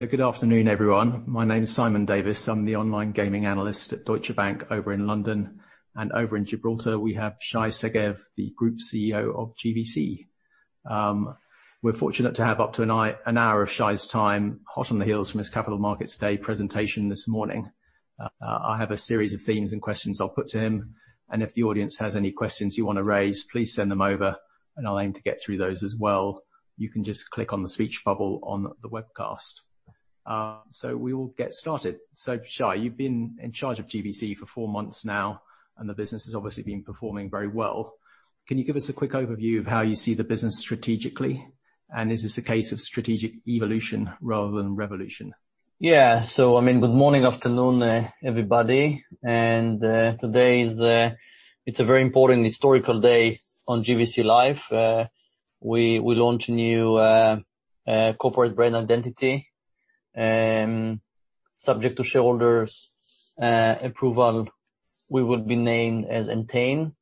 Good afternoon, everyone. My name is Simon Davies. I'm the online gaming analyst at Deutsche Bank over in London, and over in Gibraltar, we have Shay Segev, the Group CEO of GVC. We're fortunate to have up to an hour of Shay's time, hot on the heels from his capital markets day presentation this morning. I have a series of themes and questions I'll put to him, and if the audience has any questions you want to raise, please send them over, and I'll aim to get through those as well. You can just click on the speech bubble on the webcast, so we will get started. So, Shay, you've been in charge of GVC for four months now, and the business has obviously been performing very well. Can you give us a quick overview of how you see the business strategically? Is this a case of strategic evolution rather than revolution? Yeah. So, I mean, good morning, afternoon, everybody. And today is a very important historical day on GVC Live. We launch a new corporate brand identity subject to shareholders' approval. We will be named as Entain,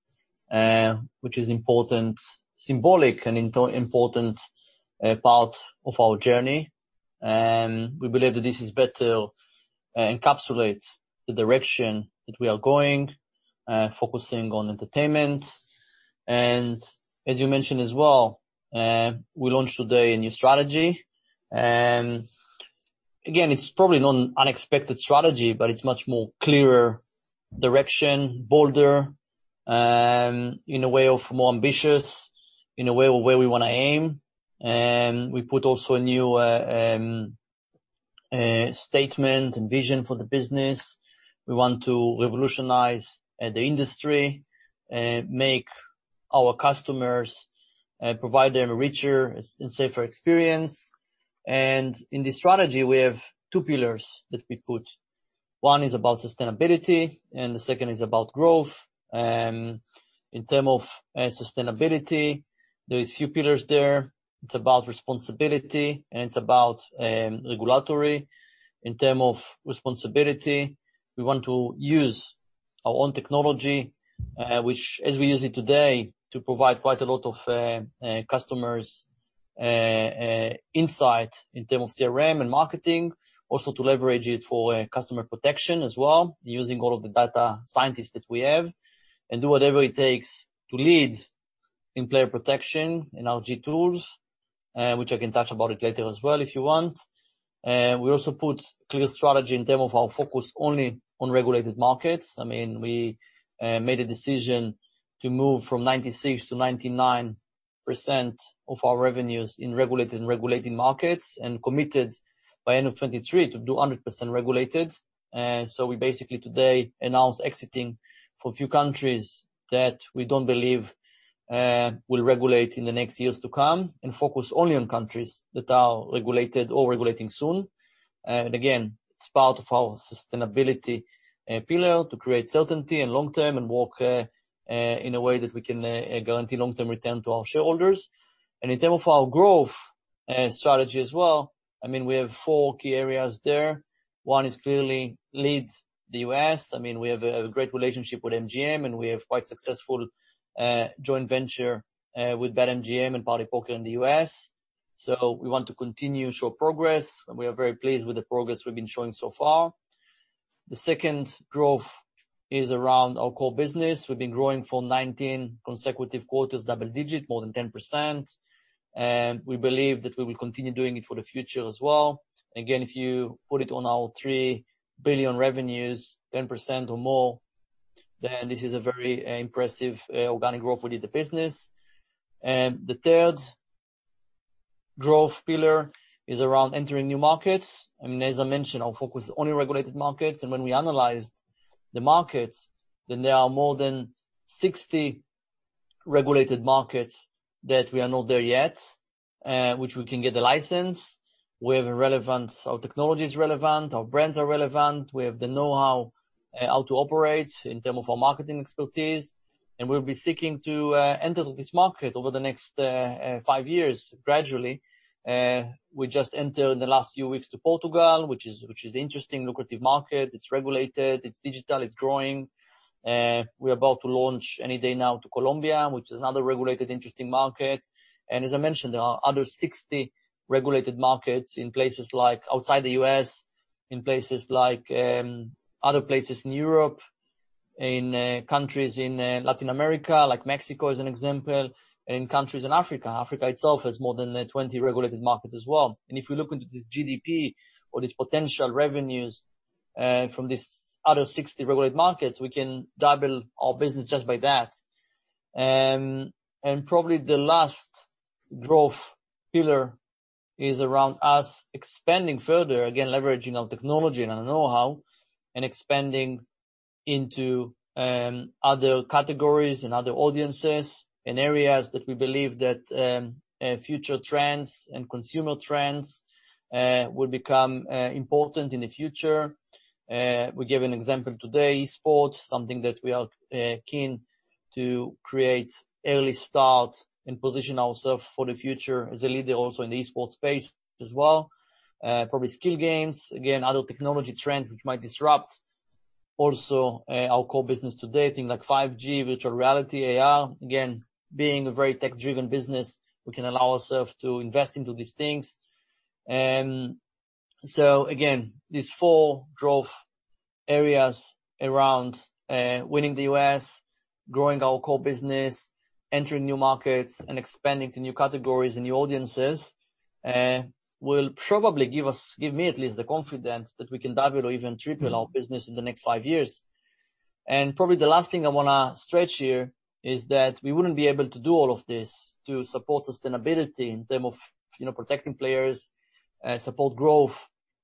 which is an important, symbolic, and important part of our journey. We believe that this is better to encapsulate the direction that we are going, focusing on entertainment. And as you mentioned as well, we launched today a new strategy. Again, it's probably not an unexpected strategy, but it's a much more clearer direction, bolder, in a way more ambitious, in a way where we want to aim. We put also a new statement and vision for the business. We want to revolutionize the industry, make our customers, and provide them a richer and safer experience. And in this strategy, we have two pillars that we put. One is about sustainability, and the second is about growth. In terms of sustainability, there are a few pillars there. It's about responsibility, and it's about regulatory. In terms of responsibility, we want to use our own technology, which, as we use it today, provides quite a lot of customers' insight in terms of CRM and marketing, also to leverage it for customer protection as well, using all of the data scientists that we have, and do whatever it takes to lead in player protection and RG tools, which I can touch on later as well if you want. We also put a clear strategy in terms of our focus only on regulated markets. I mean, we made a decision to move from 96%-99% of our revenues in regulated and regulating markets and committed by the end of 2023 to do 100% regulated. So, we basically today announced exiting for a few countries that we don't believe will regulate in the next years to come and focus only on countries that are regulated or regulating soon. And again, it's part of our sustainability pillar to create certainty and long-term and work in a way that we can guarantee long-term return to our shareholders. And in terms of our growth strategy as well, I mean, we have four key areas there. One is clearly lead the U.S. I mean, we have a great relationship with MGM, and we have quite successful joint ventures with BetMGM and partypoker in the U.S. So, we want to continue to show progress, and we are very pleased with the progress we've been showing so far. The second growth is around our core business. We've been growing for 19 consecutive quarters, double-digit, more than 10%. We believe that we will continue doing it for the future as well. Again, if you put it on our 3 billion revenues, 10% or more, then this is a very impressive organic growth within the business. The third growth pillar is around entering new markets. I mean, as I mentioned, our focus is only regulated markets. And when we analyzed the markets, then there are more than 60 regulated markets that we are not there yet, which we can get the license. We have relevant technologies. Our brands are relevant. We have the know-how to operate in terms of our marketing expertise. And we'll be seeking to enter this market over the next five years gradually. We just entered in the last few weeks to Portugal, which is an interesting lucrative market. It's regulated. It's digital. It's growing. We're about to launch any day now to Colombia, which is another regulated, interesting market, and as I mentioned, there are other 60 regulated markets outside the U.S., in places like other places in Europe, in countries in Latin America, like Mexico as an example, and in countries in Africa. Africa itself has more than 20 regulated markets as well, and if we look into this GDP or these potential revenues from these other 60 regulated markets, we can double our business just by that, and probably the last growth pillar is around us expanding further, again, leveraging our technology and our know-how and expanding into other categories and other audiences and areas that we believe that future trends and consumer trends will become important in the future. We gave an example today, esports, something that we are keen to create early start and position ourselves for the future as a leader also in the esports space as well. Probably skill games, again, other technology trends which might disrupt also our core business today, things like 5G, virtual reality, AR. Again, being a very tech-driven business, we can allow ourselves to invest into these things. Again, these four growth areas around winning the U.S., growing our core business, entering new markets, and expanding to new categories and new audiences will probably give me, at least, the confidence that we can double or even triple our business in the next five years. Probably the last thing I want to stretch here is that we wouldn't be able to do all of this to support sustainability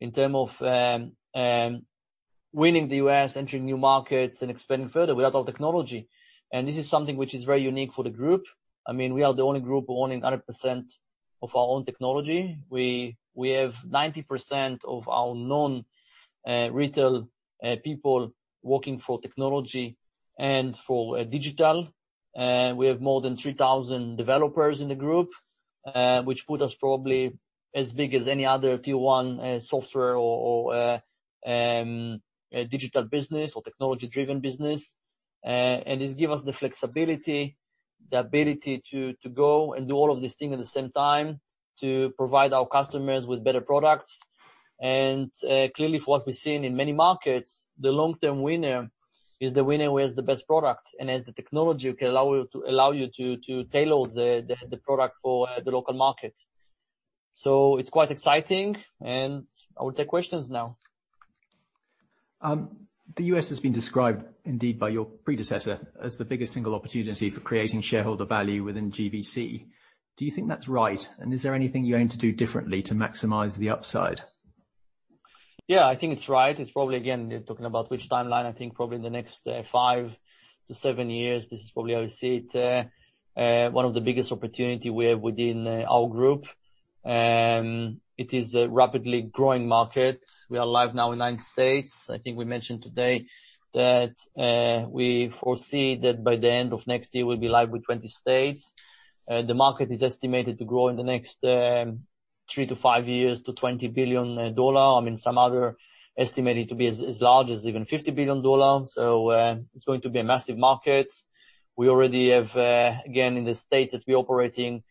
in terms of protecting players, support growth in terms of winning the U.S., entering new markets, and expanding further without our technology. This is something which is very unique for the group. I mean, we are the only group owning 100% of our own technology. We have 90% of our non-retail people working for technology and for digital. We have more than 3,000 developers in the group, which put us probably as big as any other tier-one software or digital business or technology-driven business. This gives us the flexibility, the ability to go and do all of these things at the same time to provide our customers with better products. Clearly, from what we've seen in many markets, the long-term winner is the winner who has the best product. As the technology can allow you to tailor the product for the local market. It's quite exciting. I will take questions now. The U.S. has been described, indeed, by your predecessor as the biggest single opportunity for creating shareholder value within GVC. Do you think that's right? And is there anything you aim to do differently to maximize the upside? Yeah, I think it's right. It's probably, again, you're talking about which timeline? I think probably in the next five to seven years, this is probably how you see it. One of the biggest opportunities we have within our group, it is a rapidly growing market. We are live now in the United States. I think we mentioned today that we foresee that by the end of next year, we'll be live with 20 states. The market is estimated to grow in the next three to five years to $20 billion. I mean, some other estimate is to be as large as even $50 billion. So it's going to be a massive market. We already have, again, in the states that we're operating,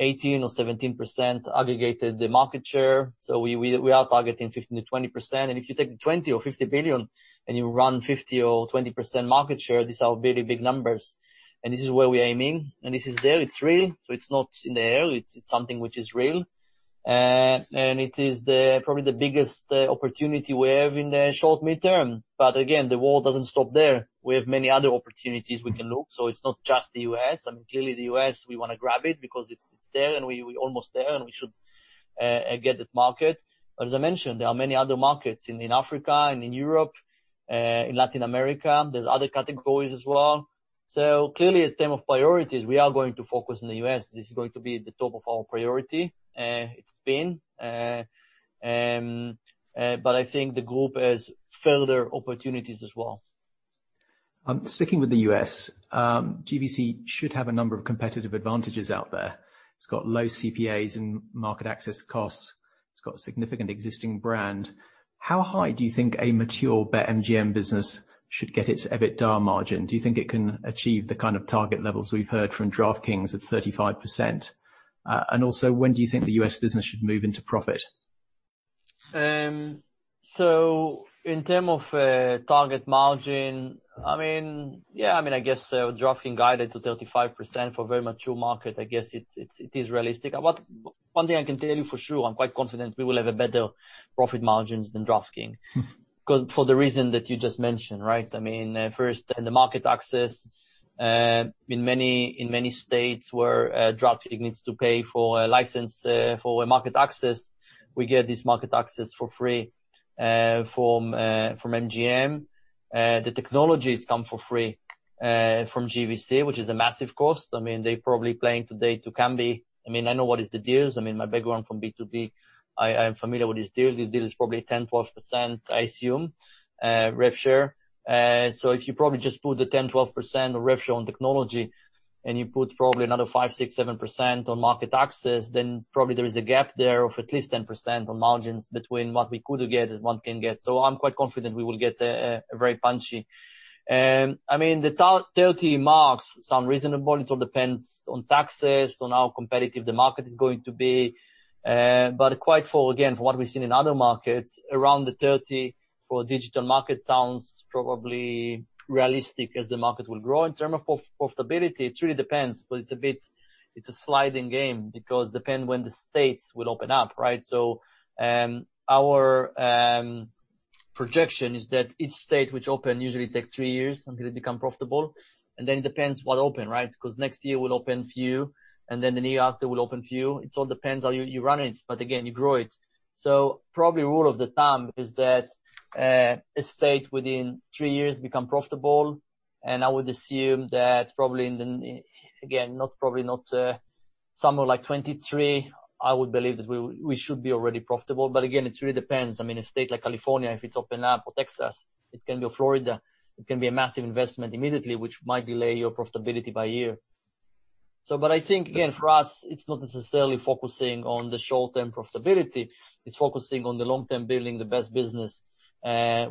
18% or 17% aggregated market share. So we are targeting 15%-20%. And if you take the 20 or 50 billion and you run 50% or 20% market share, these are really big numbers. And this is where we're aiming. And this is there. It's real. So it's not in the air. It's something which is real. And it is probably the biggest opportunity we have in the short, mid-term. But again, the war doesn't stop there. We have many other opportunities we can look. So it's not just the U.S. I mean, clearly, the U.S., we want to grab it because it's there and we're almost there, and we should get that market. But as I mentioned, there are many other markets in Africa and in Europe, in Latin America. There's other categories as well. So clearly, in terms of priorities, we are going to focus on the U.S. This is going to be the top of our priority. It's been, but I think the group has further opportunities as well. Sticking with the U.S., GVC should have a number of competitive advantages out there. It's got low CPAs and market access costs. It's got significant existing brand. How high do you think a mature BetMGM business should get its EBITDA margin? Do you think it can achieve the kind of target levels we've heard from DraftKings at 35%? And also, when do you think the U.S. business should move into profit? So in terms of target margin, I mean, yeah, I mean, I guess DraftKings guided to 35% for a very mature market, I guess it is realistic. One thing I can tell you for sure, I'm quite confident we will have better profit margins than DraftKings for the reason that you just mentioned, right? I mean, first, the market access. In many states where DraftKings needs to pay for a license for market access, we get this market access for free from MGM. The technology has come for free from GVC, which is a massive cost. I mean, they're probably paying today to Kambi. I mean, I know what the deal is. I mean, my background from B2B, I'm familiar with these deals. These deals are probably 10%-12%, I assume, rev share. So if you probably just put the 10%-12% of rev share on technology and you put probably another 5%-7% on market access, then probably there is a gap there of at least 10% on margins between what we could get and what we can get. So I'm quite confident we will get a very punchy. I mean, the 30 marks sound reasonable. It all depends on taxes, on how competitive the market is going to be. But quite for, again, for what we've seen in other markets, around the 30 for digital market sounds probably realistic as the market will grow. In terms of profitability, it really depends, but it's a bit a sliding game because it depends when the states will open up, right? So our projection is that each state which opens usually takes three years until it becomes profitable. Then it depends what opens, right? Because next year we'll open a few, and then the year after we'll open a few. It all depends how you run it. But again, you grow it. So probably rule of thumb is that a state within three years becomes profitable. And I would assume that probably, again, not somewhere like 2023, I would believe that we should be already profitable. But again, it really depends. I mean, a state like California, if it's opened up, or Texas, it can be Florida, it can be a massive investment immediately, which might delay your profitability by a year. But I think, again, for us, it's not necessarily focusing on the short-term profitability. It's focusing on the long-term building the best business,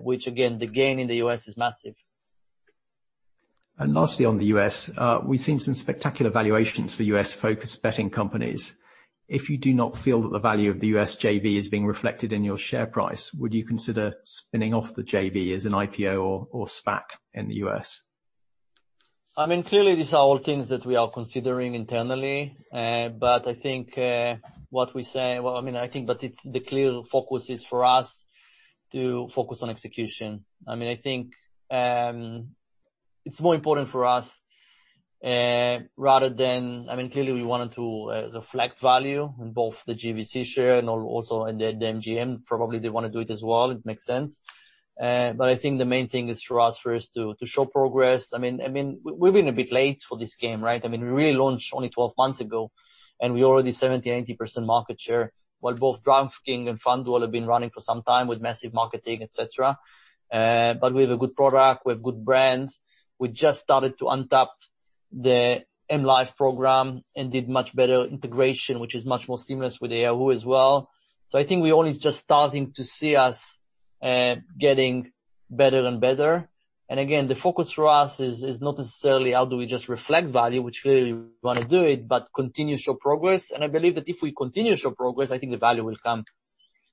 which, again, the game in the U.S. is massive. Lastly on the U.S., we've seen some spectacular valuations for U.S.-focused betting companies. If you do not feel that the value of the U.S. JV is being reflected in your share price, would you consider spinning off the JV as an IPO or SPAC in the U.S.? I mean, clearly, these are all things that we are considering internally, but I think what we say. I mean, I think, but the clear focus is for us to focus on execution. I mean, I think it's more important for us rather than I mean, clearly, we wanted to reflect value in both the GVC share and also the MGM. Probably they want to do it as well. It makes sense. But I think the main thing is for us first to show progress. I mean, we've been a bit late for this game, right? I mean, we really launched only 12 months ago, and we're already 70%-80% market share while both DraftKings and FanDuel have been running for some time with massive marketing, etc. But we have a good product. We have a good brand. We just started to untap the M life program and did much better integration, which is much more seamless with the UI as well. So I think we're only just starting to see us getting better and better. And again, the focus for us is not necessarily how do we just reflect value, which clearly we want to do it, but continue to show progress. And I believe that if we continue to show progress, I think the value will come.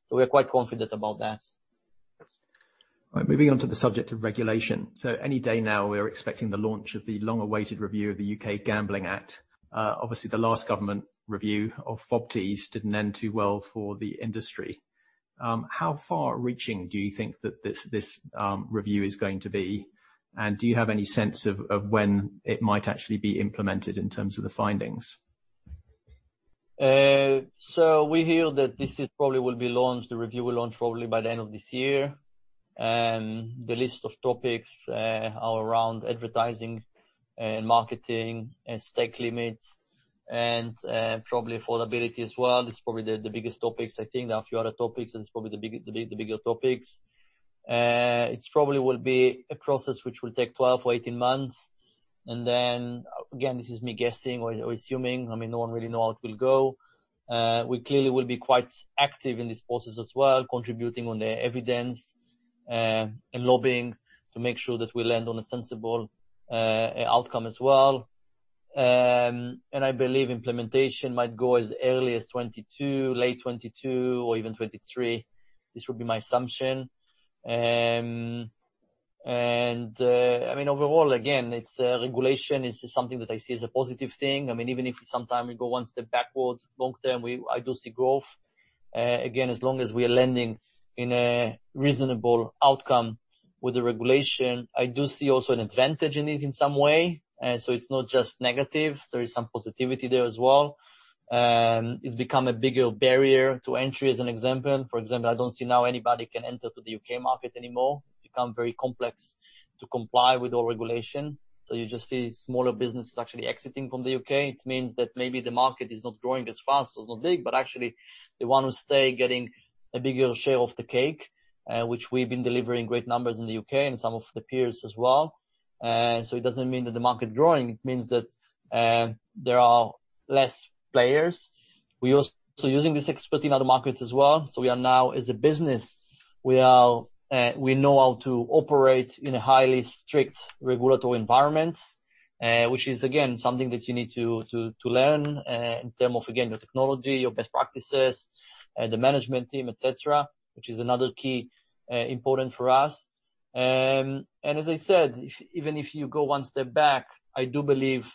So we're quite confident about that. Moving on to the subject of regulation. So any day now, we're expecting the launch of the long-awaited review of the U.K. Gambling Act. Obviously, the last government review of FOBTs didn't end too well for the industry. How far-reaching do you think that this review is going to be? And do you have any sense of when it might actually be implemented in terms of the findings? So we hear that this probably will be launched. The review will launch probably by the end of this year. The list of topics are around advertising and marketing and stake limits and probably affordability as well. It's probably the biggest topics. I think there are a few other topics, and it's probably the bigger topics. It probably will be a process which will take 12 or 18 months. And then, again, this is me guessing or assuming. I mean, no one really knows how it will go. We clearly will be quite active in this process as well, contributing on the evidence and lobbying to make sure that we land on a sensible outcome as well. And I believe implementation might go as early as 2022, late 2022, or even 2023. This would be my assumption. I mean, overall, again, regulation is something that I see as a positive thing. I mean, even if sometimes we go one step backward, long-term, I do see growth. Again, as long as we are landing in a reasonable outcome with the regulation, I do see also an advantage in it in some way. So it's not just negative. There is some positivity there as well. It's become a bigger barrier to entry, as an example. For example, I don't see now anybody can enter the U.K. market anymore. It's become very complex to comply with all regulation. So you just see smaller businesses actually exiting from the U.K. It means that maybe the market is not growing as fast or is not big, but actually the one who stays is getting a bigger share of the cake, which we've been delivering great numbers in the U.K. and some of the peers as well. So it doesn't mean that the market is growing. It means that there are fewer players. We're also using this expertise in other markets as well. So we are now, as a business, we know how to operate in a highly strict regulatory environment, which is, again, something that you need to learn in terms of, again, your technology, your best practices, the management team, etc., which is another key important for us. And as I said, even if you go one step back, I do believe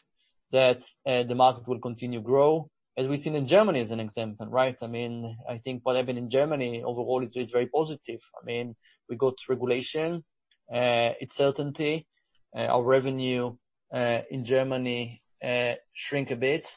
that the market will continue to grow, as we've seen in Germany, as an example, right? I mean, I think what happened in Germany overall is very positive. I mean, we got regulation. It's certainty. Our revenue in Germany shrank a bit,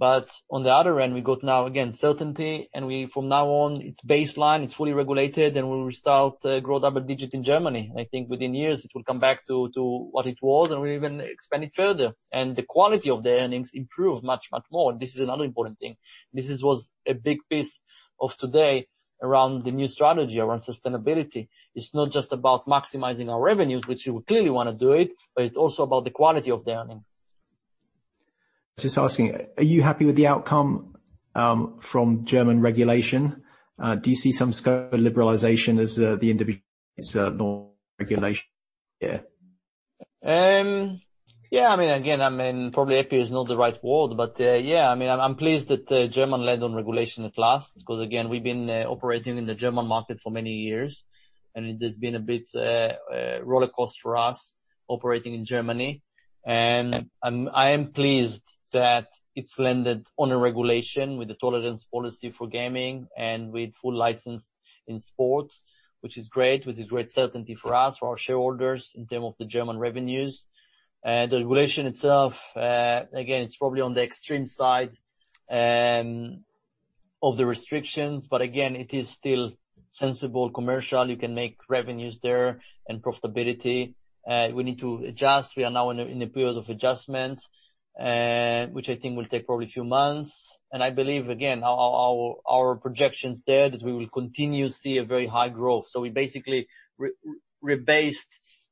but on the other end, we got now, again, certainty, and from now on, it's baseline. It's fully regulated, and we will start to grow double-digit in Germany. I think within years, it will come back to what it was, and we'll even expand it further, and the quality of the earnings improves much, much more. This is another important thing. This was a big piece of today around the new strategy around sustainability. It's not just about maximizing our revenues, which we clearly want to do it, but it's also about the quality of the earnings. Just asking, are you happy with the outcome from German regulation? Do you see some scope of liberalization as the individual regulation? Yeah. I mean, again, I mean, probably happy is not the right word. But yeah, I mean, I'm pleased that Germany led on regulation at last because, again, we've been operating in the German market for many years. And it has been a bit of a roller coaster for us operating in Germany. And I am pleased that it's landed on a regulation with a tolerance policy for gaming and with full license in sports, which is great, which is great certainty for us, for our shareholders in terms of the German revenues. The regulation itself, again, it's probably on the extreme side of the restrictions. But again, it is still sensible commercial. You can make revenues there and profitability. We need to adjust. We are now in a period of adjustment, which I think will take probably a few months. And I believe, again, our projections there that we will continue to see a very high growth. So we basically rebased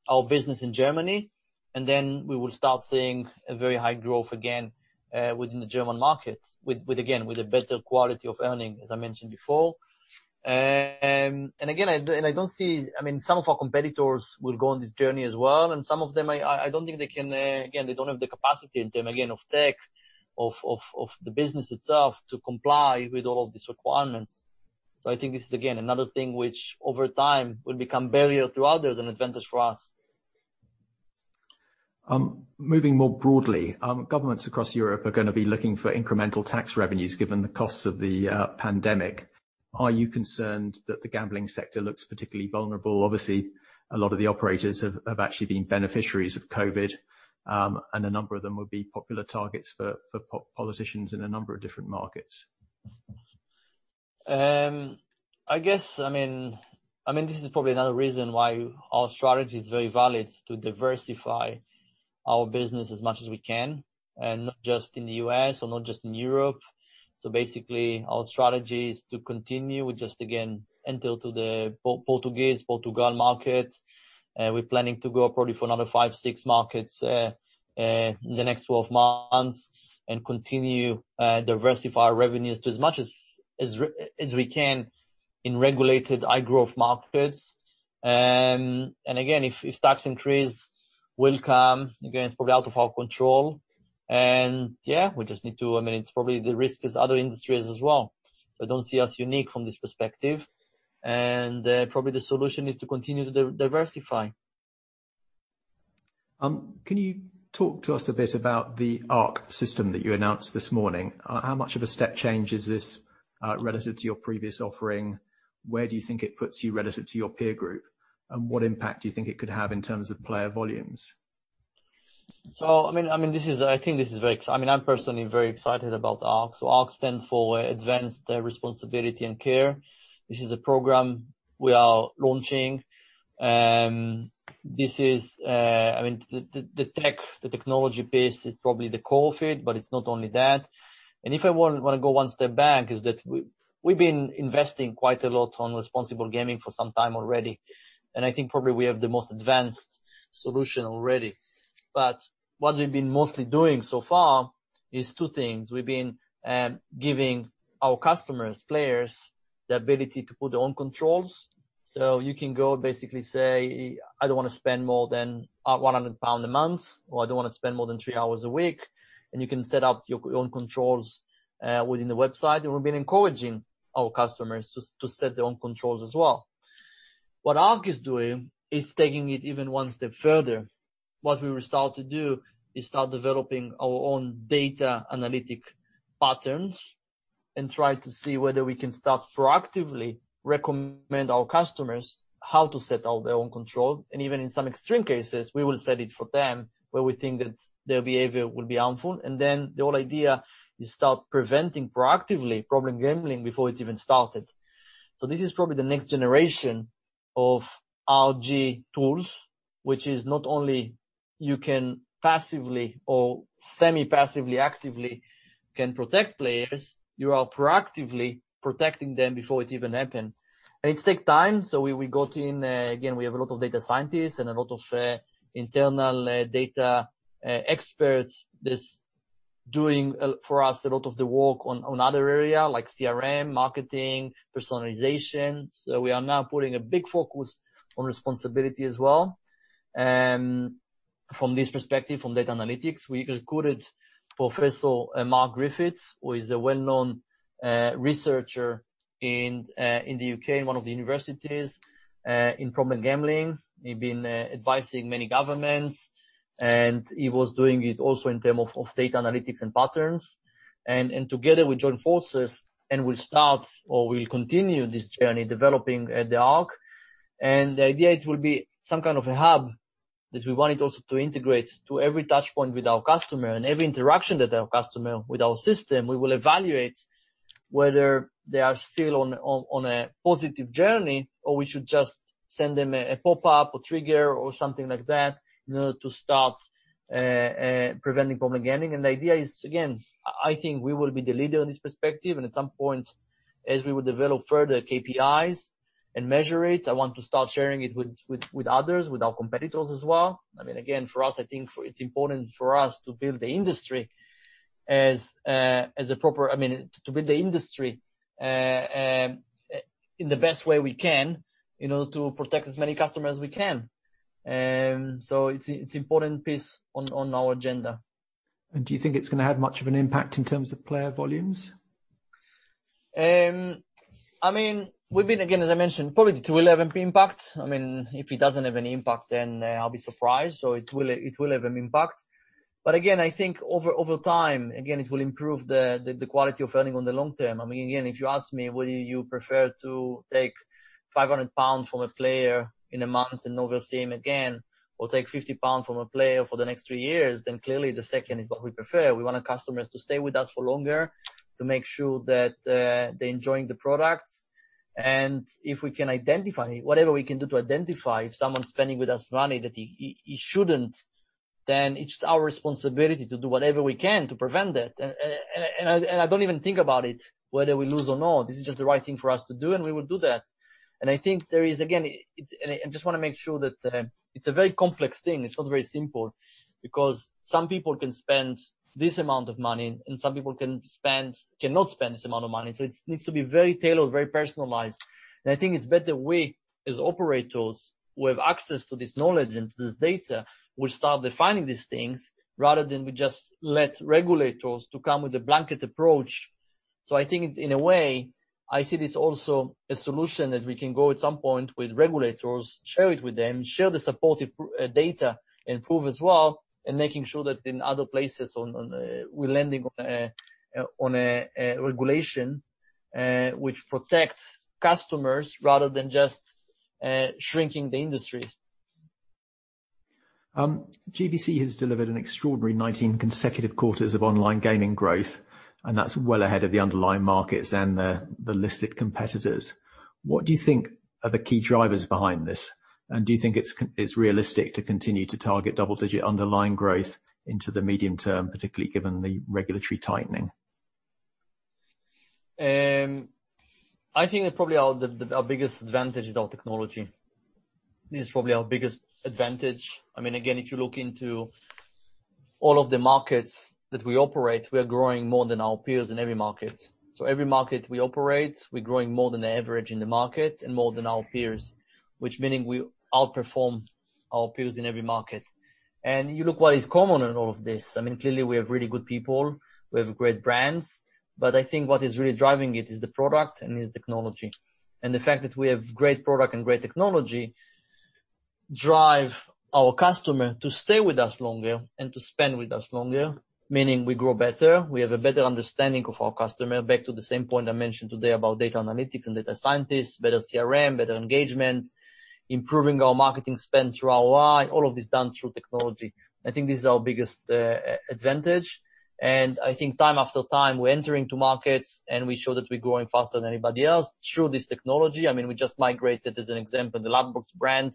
our business in Germany, and then we will start seeing a very high growth again within the German market, again, with a better quality of earnings, as I mentioned before. And again, I don't see. I mean, some of our competitors will go on this journey as well. And some of them, I don't think they can, again, they don't have the capacity in terms, again, of tech, of the business itself to comply with all of these requirements. So I think this is, again, another thing which over time will become a barrier to others and an advantage for us. Moving more broadly, governments across Europe are going to be looking for incremental tax revenues given the costs of the pandemic. Are you concerned that the gambling sector looks particularly vulnerable? Obviously, a lot of the operators have actually been beneficiaries of COVID, and a number of them would be popular targets for politicians in a number of different markets. I guess, I mean, this is probably another reason why our strategy is very valid to diversify our business as much as we can, and not just in the U.S. or not just in Europe, so basically, our strategy is to continue. We just, again, entered the Portugal market. We're planning to go probably for another five, six markets in the next 12 months and continue to diversify our revenues to as much as we can in regulated high-growth markets, and again, if tax increase will come, again, it's probably out of our control, and yeah, we just need to, I mean, it's probably the risk is other industries as well, so I don't see us unique from this perspective, and probably the solution is to continue to diversify. Can you talk to us a bit about the ARC system that you announced this morning? How much of a step change is this relative to your previous offering? Where do you think it puts you relative to your peer group? And what impact do you think it could have in terms of player volumes? I mean, I think this is very exciting. I mean, I'm personally very excited about ARC. ARC stands for Advanced Responsibility and Care. This is a program we are launching. I mean, the tech, the technology piece is probably the core of it, but it's not only that. If I want to go one step back, we've been investing quite a lot on responsible gaming for some time already. I think probably we have the most advanced solution already. What we've been mostly doing so far is two things. We've been giving our customers, players, the ability to put their own controls. You can go basically say, "I don't want to spend more than 100 pounds a month," or, "I don't want to spend more than three hours a week." You can set up your own controls within the website. We've been encouraging our customers to set their own controls as well. What ARC is doing is taking it even one step further. What we will start to do is start developing our own data analytic patterns and try to see whether we can start proactively recommend to our customers how to set their own control. Even in some extreme cases, we will set it for them where we think that their behavior will be harmful. Then the whole idea is to start preventing proactively problem gambling before it's even started. This is probably the next generation of RG tools, which is not only you can passively or semi-passively actively can protect players. You are proactively protecting them before it even happens. It takes time. We got in. Again, we have a lot of data scientists and a lot of internal data experts that's doing for us a lot of the work on other areas like CRM, marketing, personalization. We are now putting a big focus on responsibility as well. From this perspective, from data analytics, we included Professor Mark Griffiths, who is a well-known researcher in the U.K. and one of the universities in problem gambling. He's been advising many governments, and he was doing it also in terms of data analytics and patterns. Together, we joined forces and will start or will continue this journey developing the ARC. The idea will be some kind of a hub that we wanted also to integrate to every touchpoint with our customer. Every interaction with our customer with our system, we will evaluate whether they are still on a positive journey or we should just send them a pop-up or trigger or something like that in order to start preventing problem gambling. The idea is, again, I think we will be the leader in this perspective. At some point, as we will develop further KPIs and measure it, I want to start sharing it with others, with our competitors as well. I mean, again, for us, I think it's important for us to build the industry as a proper, I mean, to build the industry in the best way we can in order to protect as many customers as we can. It's an important piece on our agenda. Do you think it's going to have much of an impact in terms of player volumes? I mean, we've been, again, as I mentioned, probably to 11 impact. I mean, if it doesn't have any impact, then I'll be surprised. So it will have an impact. But again, I think over time, again, it will improve the quality of earning on the long term. I mean, again, if you ask me, "Would you prefer to take 500 pounds from a player in a month and never see him again or take 50 pounds from a player for the next three years?" then clearly the second is what we prefer. We want our customers to stay with us for longer to make sure that they're enjoying the products. And if we can identify whatever we can do to identify if someone's spending with us money that he shouldn't, then it's our responsibility to do whatever we can to prevent that. I don't even think about it, whether we lose or not. This is just the right thing for us to do, and we will do that. I think there is, again, I just want to make sure that it's a very complex thing. It's not very simple because some people can spend this amount of money, and some people cannot spend this amount of money. It needs to be very tailored, very personalized. I think it's better we, as operators who have access to this knowledge and to this data, will start defining these things rather than we just let regulators come with a blanket approach. So, I think in a way, I see this also as a solution that we can go at some point with regulators, share it with them, share the supportive data, and prove as well, and making sure that in other places we're landing on a regulation which protects customers rather than just shrinking the industry. GVC has delivered an extraordinary 19 consecutive quarters of online gaming growth, and that's well ahead of the underlying markets and the listed competitors. What do you think are the key drivers behind this? And do you think it's realistic to continue to target double-digit underlying growth into the medium term, particularly given the regulatory tightening? I think probably our biggest advantage is our technology. This is probably our biggest advantage. I mean, again, if you look into all of the markets that we operate, we are growing more than our peers in every market. So every market we operate, we're growing more than the average in the market and more than our peers, which means we outperform our peers in every market. And you look what is common in all of this. I mean, clearly, we have really good people. We have great brands. But I think what is really driving it is the product and the technology. And the fact that we have great product and great technology drives our customer to stay with us longer and to spend with us longer, meaning we grow better. We have a better understanding of our customer. Back to the same point I mentioned today about data analytics and data scientists, better CRM, better engagement, improving our marketing spend throughout our life, all of this done through technology. I think this is our biggest advantage, and I think time after time, we're entering two markets, and we show that we're growing faster than anybody else through this technology. I mean, we just migrated, as an example, the Ladbrokes brand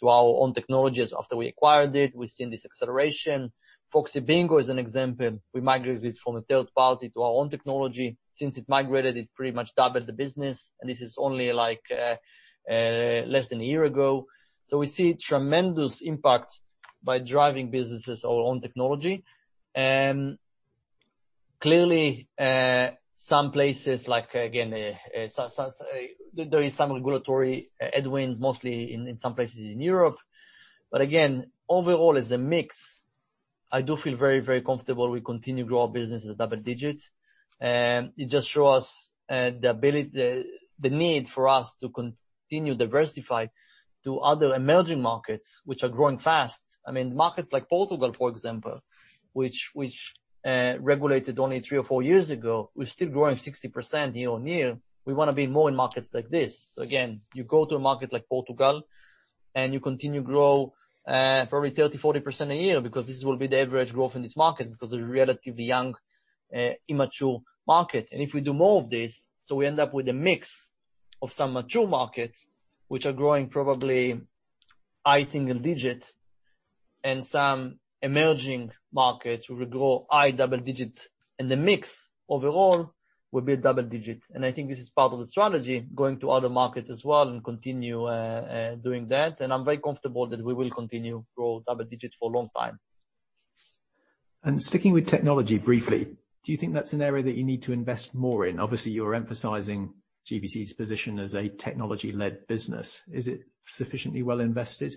to our own technology after we acquired it. We've seen this acceleration. Foxy Bingo, as an example, we migrated it from a third party to our own technology. Since it migrated, it pretty much doubled the business, and this is only less than a year ago, so we see tremendous impact by driving businesses our own technology. Clearly, some places, again, there is some regulatory headwinds, mostly in some places in Europe. But again, overall, as a mix, I do feel very, very comfortable. We continue to grow our business as a double-digit. It just shows us the need for us to continue to diversify to other emerging markets, which are growing fast. I mean, markets like Portugal, for example, which regulated only three or four years ago, we're still growing 60% year on year. We want to be more in markets like this. So again, you go to a market like Portugal and you continue to grow probably 30%-40% a year because this will be the average growth in this market because it's a relatively young, immature market. And if we do more of this, so we end up with a mix of some mature markets, which are growing probably high single-digit, and some emerging markets will grow high double-digit. And the mix overall will be a double-digit. I think this is part of the strategy, going to other markets as well and continue doing that. I'm very comfortable that we will continue to grow double-digit for a long time. Sticking with technology briefly, do you think that's an area that you need to invest more in? Obviously, you're emphasizing GVC's position as a technology-led business. Is it sufficiently well invested?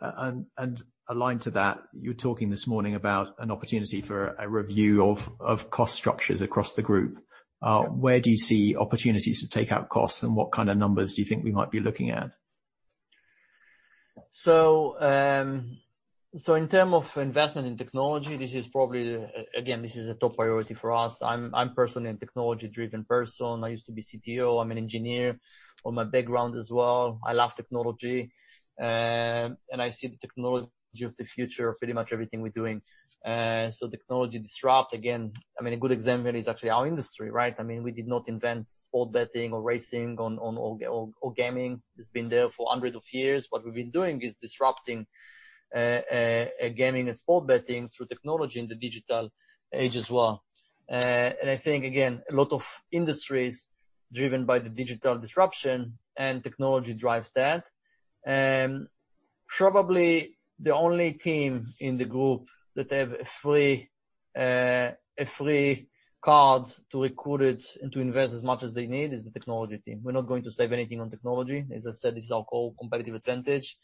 And aligned to that, you were talking this morning about an opportunity for a review of cost structures across the group. Where do you see opportunities to take out costs, and what kind of numbers do you think we might be looking at? In terms of investment in technology, this is probably, again, this is a top priority for us. I'm personally a technology-driven person. I used to be CTO. I'm an engineer in my background as well. I love technology. And I see technology as the future of pretty much everything we're doing. Technology disrupts, again, I mean, a good example is actually our industry, right? I mean, we did not invent sport betting or racing or gaming. It's been there for hundreds of years. What we've been doing is disrupting gaming and sport betting through technology in the digital age as well. And I think, again, a lot of industries driven by the digital disruption and technology drives that. Probably the only team in the group that has free rein to go for it and to invest as much as they need is the technology team. We're not going to save anything on technology. As I said, this is our core competitive advantage.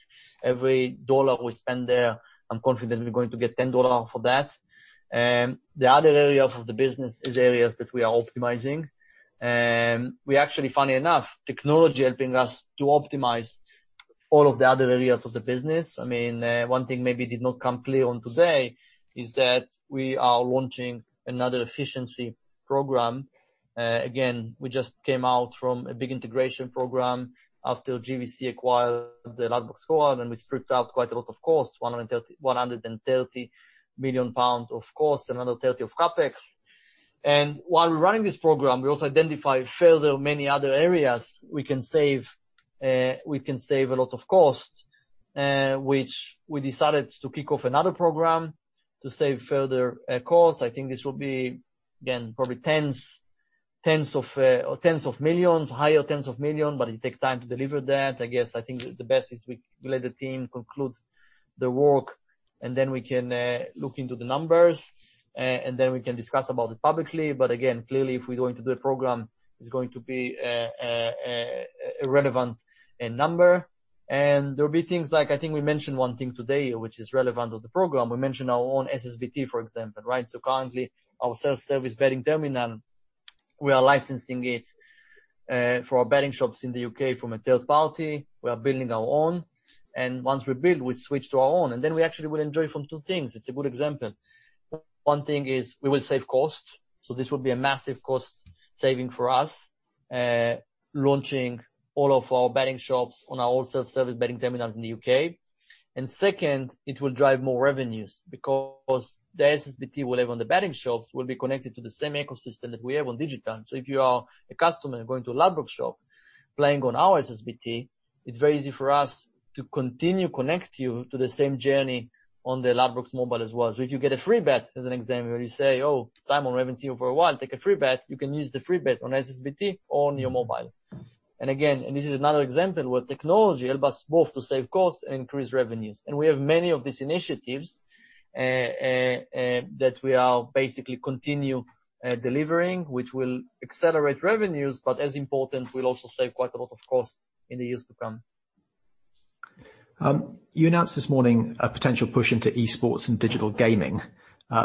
Every dollar we spend there, I'm confident we're going to get $10 for that. The other area of the business is areas that we are optimizing. We actually, funny enough, technology is helping us to optimize all of the other areas of the business. I mean, one thing maybe did not come clear on today is that we are launching another efficiency program. Again, we just came out from a big integration program after GVC acquired the Ladbrokes Coral, and we stripped out quite a lot of costs, 130 million pounds of costs and another 30 million of CapEx. While we're running this program, we also identify further many other areas we can save a lot of cost, which we decided to kick off another program to save further costs. I think this will be, again, probably tens of millions, higher tens of millions, but it takes time to deliver that. I guess I think the best is we let the team conclude the work, and then we can look into the numbers, and then we can discuss about it publicly. But again, clearly, if we're going to do a program, it's going to be a relevant number. And there will be things like I think we mentioned one thing today, which is relevant to the program. We mentioned our own SSBT, for example, right? So currently, our self-service betting terminal, we are licensing it for our betting shops in the U.K. from a third party. We are building our own. And once we build, we switch to our own. And then we actually will enjoy from two things. It's a good example. One thing is we will save cost. So this will be a massive cost saving for us launching all of our betting shops on our own self-service betting terminals in the U.K. And second, it will drive more revenues because the SSBT we'll have on the betting shops will be connected to the same ecosystem that we have on digital. So if you are a customer going to a Ladbrokes shop playing on our SSBT, it's very easy for us to continue connecting you to the same journey on the Ladbrokes mobile as well. So if you get a free bet, as an example, you say, "Oh, Simon Davies here for a while. Take a free bet." You can use the free bet on SSBT or on your mobile. And again, and this is another example where technology helps us both to save costs and increase revenues. We have many of these initiatives that we are basically continuing delivering, which will accelerate revenues, but as important, we'll also save quite a lot of costs in the years to come. You announced this morning a potential push into esports and digital gaming.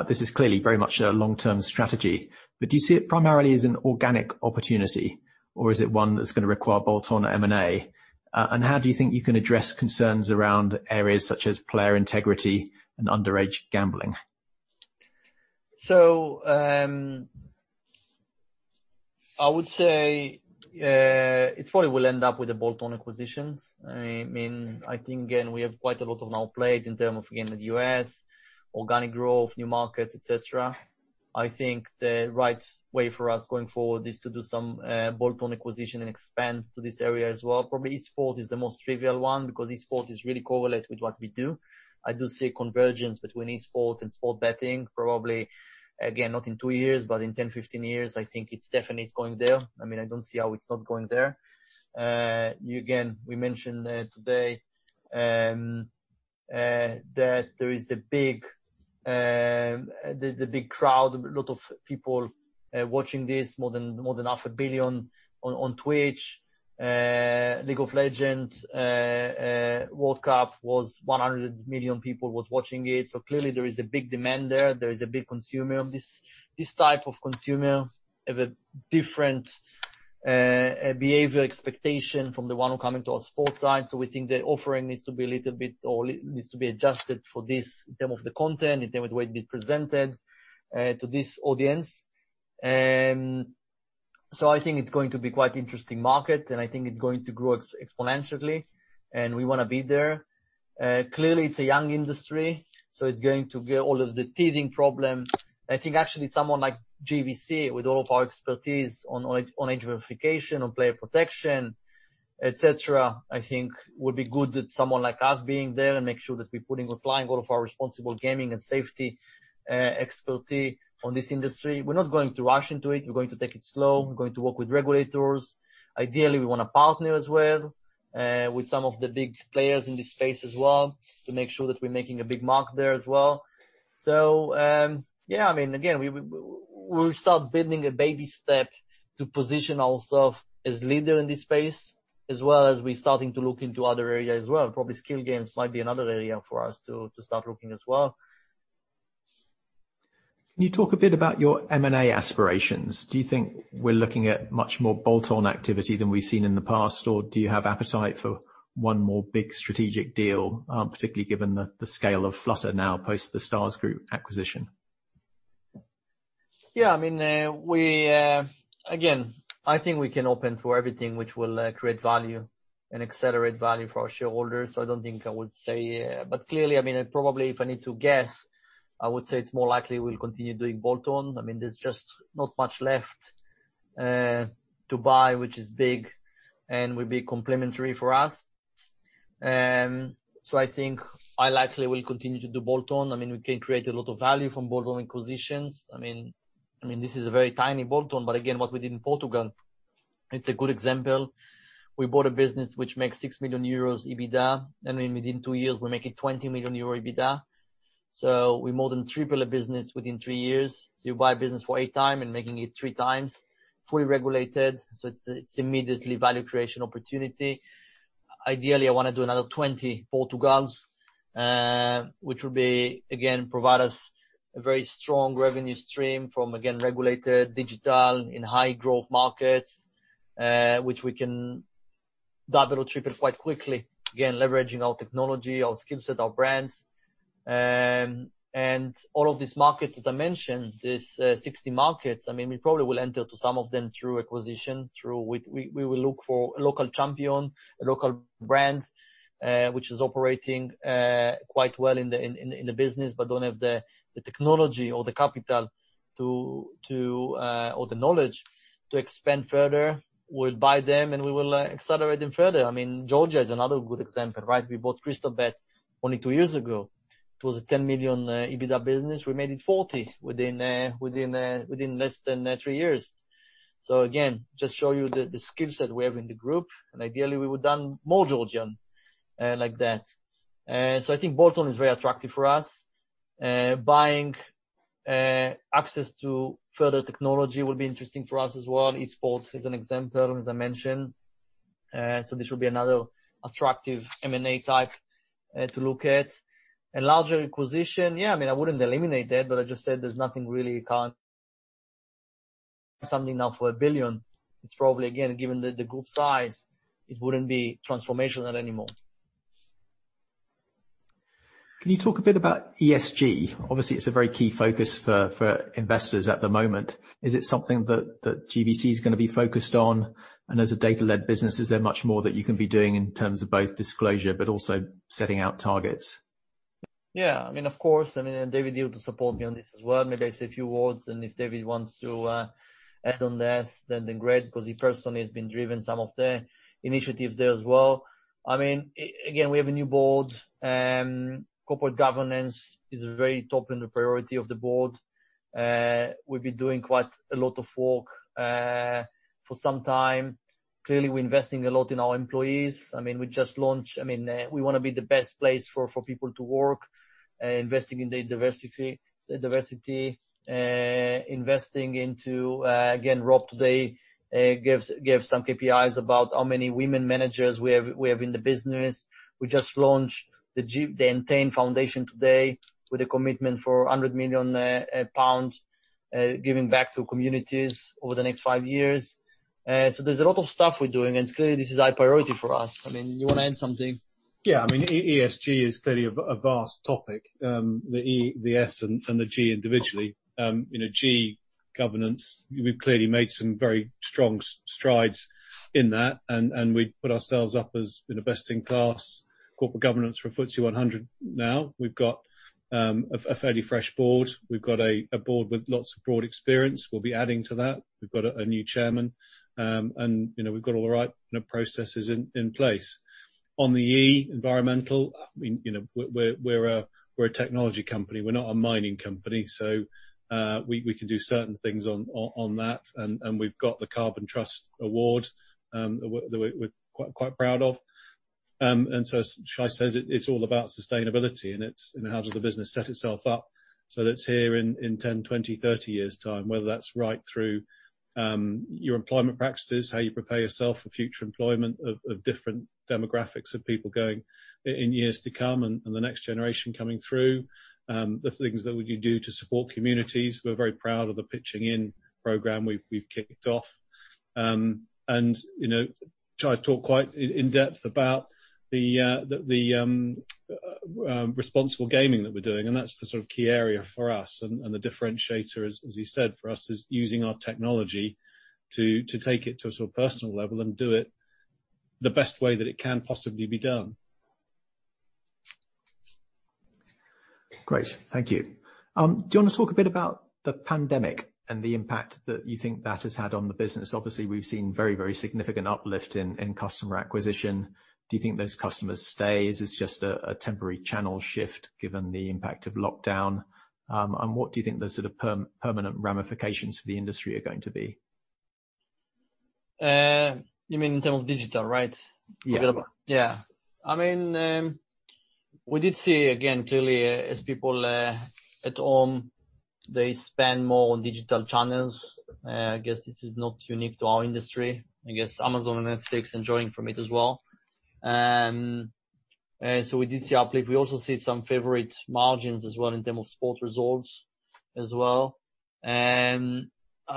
This is clearly very much a long-term strategy. But do you see it primarily as an organic opportunity, or is it one that's going to require bolt-on M&A? And how do you think you can address concerns around areas such as player integrity and underage gambling? So I would say it probably will end up with a bolt-on acquisition. I mean, I think, again, we have quite a lot of capital deployed in terms of, again, the U.S., organic growth, new markets, etc. I think the right way for us going forward is to do some bolt-on acquisition and expand to this area as well. Probably esports is the most trivial one because esports is really correlated with what we do. I do see a convergence between esports and sports betting, probably, again, not in two years, but in 10, 15 years. I think it's definitely going there. I mean, I don't see how it's not going there. Again, we mentioned today that there is the big crowd, a lot of people watching this, more than half a billion on Twitch. League of Legends World Cup was 100 million people watching it. So clearly, there is a big demand there. There is a big consumer of this type of consumer, a different behavior expectation from the one coming to our sports side. So we think the offering needs to be a little bit or needs to be adjusted for this in terms of the content, in terms of the way it's being presented to this audience. So I think it's going to be quite an interesting market, and I think it's going to grow exponentially, and we want to be there. Clearly, it's a young industry, so it's going to get all of the teething problems. I think actually someone like GVC, with all of our expertise on age verification, on player protection, etc., I think would be good that someone like us being there and make sure that we're applying all of our responsible gaming and safety expertise on this industry. We're not going to rush into it. We're going to take it slow. We're going to work with regulators. Ideally, we want a partner as well with some of the big players in this space as well to make sure that we're making a big mark there as well. So yeah, I mean, again, we'll start building a baby step to position ourselves as leaders in this space as well as we're starting to look into other areas as well. Probably skill games might be another area for us to start looking as well. Can you talk a bit about your M&A aspirations? Do you think we're looking at much more bolt-on activity than we've seen in the past, or do you have appetite for one more big strategic deal, particularly given the scale of Flutter now post the Stars Group acquisition? Yeah, I mean, again, I think we can open for everything which will create value and accelerate value for our shareholders. So I don't think I would say, but clearly, I mean, probably if I need to guess, I would say it's more likely we'll continue doing bolt-on. I mean, there's just not much left to buy, which is big, and will be complementary for us. So I think I likely will continue to do bolt-on. I mean, we can create a lot of value from bolt-on acquisitions. I mean, this is a very tiny bolt-on, but again, what we did in Portugal, it's a good example. We bought a business which makes 6 million euros EBITDA. I mean, within two years, we're making 20 million euro EBITDA. So we more than tripled the business within three years. So you buy a business for eight times and make it three times, fully regulated. So it's immediately value creation opportunity. Ideally, I want to do another 20 Portugals, which would be, again, provide us a very strong revenue stream from, again, regulated digital in high-growth markets, which we can double or triple quite quickly, again, leveraging our technology, our skill set, our brands. And all of these markets that I mentioned, these 60 markets, I mean, we probably will enter to some of them through acquisition. We will look for a local champion, a local brand, which is operating quite well in the business but doesn't have the technology or the capital or the knowledge to expand further. We'll buy them, and we will accelerate them further. I mean, Georgia is another good example, right? We bought Crystalbet only two years ago. It was a 10 million EBITDA business. We made it 40 million within less than three years, so again, just show you the skill set we have in the group, and ideally, we would have done more Georgian like that, so I think bolt-on is very attractive for us. Buying access to further technology will be interesting for us as well. Esports is an example, as I mentioned, so this will be another attractive M&A type to look at, and larger acquisition, yeah, I mean, I wouldn't eliminate that, but I just said there's nothing really current. Something now for 1 billion, it's probably, again, given the group size, it wouldn't be transformational anymore. Can you talk a bit about ESG? Obviously, it's a very key focus for investors at the moment. Is it something that GVC is going to be focused on? And as a data-led business, is there much more that you can be doing in terms of both disclosure but also setting out targets? Yeah, I mean, of course. I mean, David here to support me on this as well. Maybe I say a few words, and if David wants to add on this, then great, because he personally has been driven some of the initiatives there as well. I mean, again, we have a new board. Corporate governance is a very top priority of the board. We've been doing quite a lot of work for some time. Clearly, we're investing a lot in our employees. I mean, we just launched. I mean, we want to be the best place for people to work, investing in the diversity, investing into. Again, Rob today gave some KPIs about how many women managers we have in the business. We just launched the Entain Foundation today with a commitment for 100 million pounds giving back to communities over the next five years. So there's a lot of stuff we're doing, and clearly, this is a high priority for us. I mean, you want to add something? Yeah, I mean, ESG is clearly a vast topic, the E, the S, and the G individually. G governance, we've clearly made some very strong strides in that, and we put ourselves up as the best in class corporate governance for FTSE 100 now. We've got a fairly fresh board. We've got a board with lots of broad experience. We'll be adding to that. We've got a new chairman, and we've got all the right processes in place. On the E, environmental, we're a technology company. We're not a mining company. So we can do certain things on that, and we've got the Carbon Trust Award that we're quite proud of. And so Shay says, it's all about sustainability, and it's how does the business set itself up so that's here in 10, 20, 30 years' time, whether that's right through your employment practices, how you prepare yourself for future employment of different demographics of people going in years to come and the next generation coming through, the things that we do to support communities. We're very proud of the Pitching In program we've kicked off. And Shay talked quite in depth about the responsible gaming that we're doing, and that's the sort of key area for us. And the differentiator, as you said, for us is using our technology to take it to a sort of personal level and do it the best way that it can possibly be done. Great. Thank you. Do you want to talk a bit about the pandemic and the impact that you think that has had on the business? Obviously, we've seen very, very significant uplift in customer acquisition. Do you think those customers stay? Is this just a temporary channel shift given the impact of lockdown? And what do you think the sort of permanent ramifications for the industry are going to be? You mean in terms of digital, right? Yeah. Yeah. I mean, we did see, again, clearly, as people at home, they spend more on digital channels. I guess this is not unique to our industry. I guess Amazon and Netflix are enjoying from it as well. So we did see uplift. We also see some favorable margins as well in terms of sports results as well. I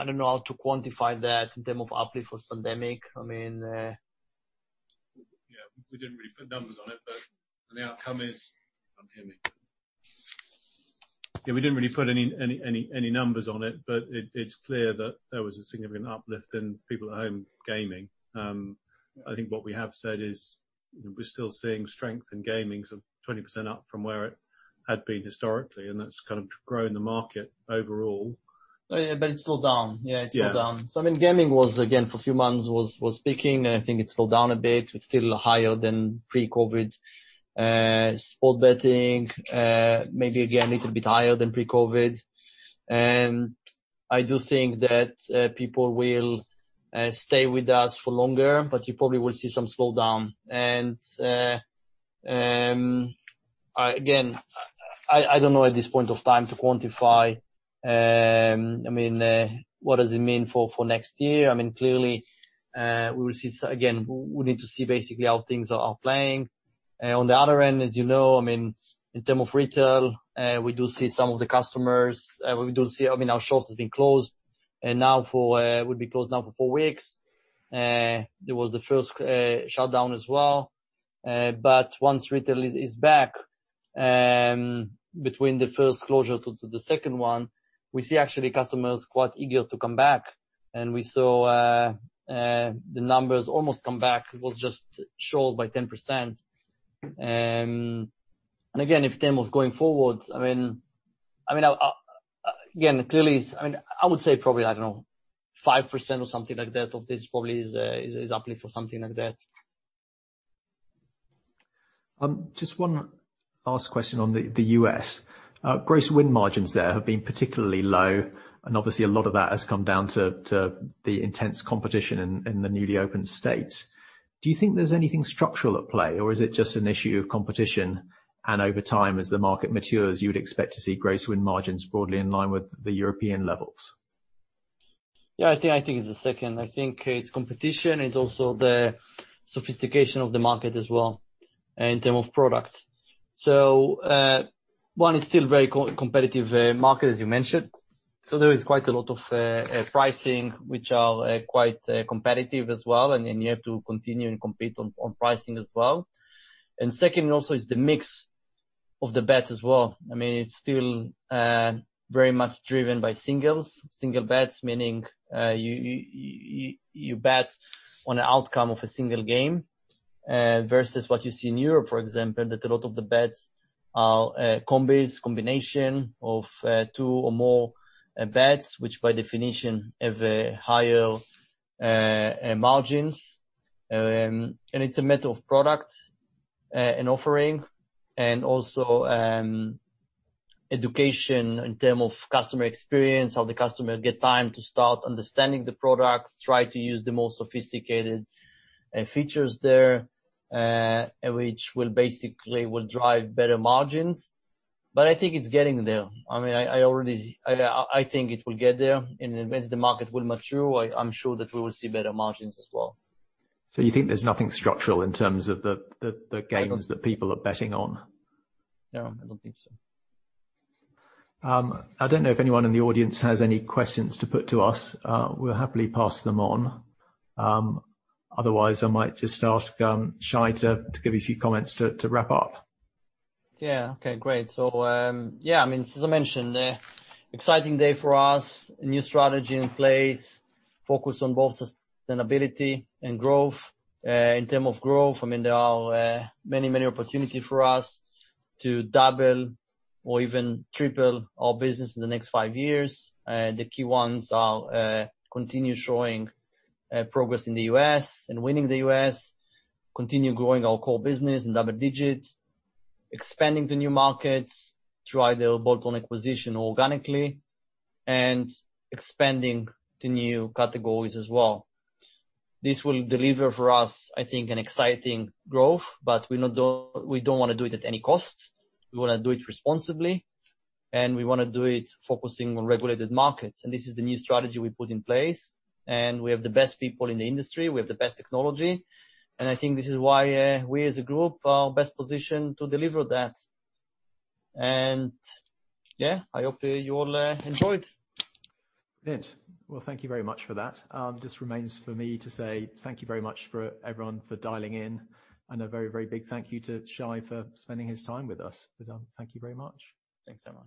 don't know how to quantify that in terms of uplift post-pandemic. I mean. Yeah, we didn't really put numbers on it, but the outcome is I'm hearing. Yeah, we didn't really put any numbers on it, but it's clear that there was a significant uplift in people at home gaming. I think what we have said is we're still seeing strength in gaming sort of 20% up from where it had been historically, and that's kind of growing the market overall. But it's still down. Yeah, it's still down. So I mean, gaming was, again, for a few months, was peaking, and I think it's still down a bit. It's still higher than pre-COVID. Sports betting, maybe again, a little bit higher than pre-COVID. And I do think that people will stay with us for longer, but you probably will see some slowdown. And again, I don't know at this point of time to quantify. I mean, what does it mean for next year? I mean, clearly, we will see again. We need to see basically how things are playing. On the other end, as you know, I mean, in terms of retail, we do see some of the customers. We do see. I mean, our shops have been closed now. We'll be closed now for four weeks. There was the first shutdown as well. But once retail is back between the first closure to the second one, we see actually customers quite eager to come back. And we saw the numbers almost come back. It was just short by 10%. And again, if trend's going forward, I mean, again, clearly, I mean, I would say probably, I don't know, 5% or something like that of this probably is uplift or something like that. Just one last question on the U.S. Gross win margins there have been particularly low, and obviously, a lot of that has come down to the intense competition in the newly opened states. Do you think there's anything structural at play, or is it just an issue of competition? And over time, as the market matures, you would expect to see gross win margins broadly in line with the European levels? Yeah, I think it's the second. I think it's competition. It's also the sophistication of the market as well in terms of product. So one, it's still a very competitive market, as you mentioned. So there is quite a lot of pricing, which are quite competitive as well, and then you have to continue and compete on pricing as well. And second, also is the mix of the bets as well. I mean, it's still very much driven by singles, single bets, meaning you bet on an outcome of a single game versus what you see in Europe, for example, that a lot of the bets are combinations of two or more bets, which by definition have higher margins. And it's a matter of product and offering and also education in terms of customer experience, how the customer gets time to start understanding the product, try to use the most sophisticated features there, which will basically drive better margins. But I think it's getting there. I mean, I think it will get there. And as the market will mature, I'm sure that we will see better margins as well. So you think there's nothing structural in terms of the games that people are betting on? No, I don't think so. I don't know if anyone in the audience has any questions to put to us. We'll happily pass them on. Otherwise, I might just ask Shay to give you a few comments to wrap up. Yeah, okay, great. So yeah, I mean, as I mentioned, exciting day for us, new strategy in place, focus on both sustainability and growth. In terms of growth, I mean, there are many, many opportunities for us to double or even triple our business in the next five years. The key ones are continue showing progress in the U.S. and winning the U.S., continue growing our core business in double digits, expanding to new markets, try the bolt-on acquisition or organically, and expanding to new categories as well. This will deliver for us, I think, an exciting growth, but we don't want to do it at any cost. We want to do it responsibly, and we want to do it focusing on regulated markets, and this is the new strategy we put in place, and we have the best people in the industry. We have the best technology. I think this is why we, as a group, are best positioned to deliver that. Yeah, I hope you all enjoyed. Good. Well, thank you very much for that. It just remains for me to say thank you very much for everyone for dialing in, and a very, very big thank you to Shay for spending his time with us. Thank you very much. Thanks so much.